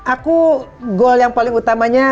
aku gol yang paling utamanya